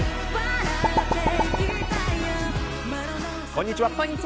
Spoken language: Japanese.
こんにちは。